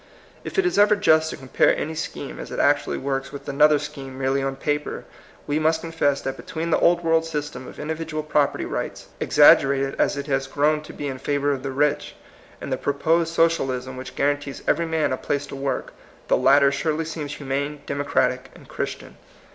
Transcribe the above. If it is ever just to compare any scheme as it actually works with another scheme merely on paper, we must confess that between the Old World system of individual property rights, exaggerated as it has grown to be in favor of the rich, and the proposed Socialism which guarantees every man a place to work, the latter surely seems humane, democratic, and Christian.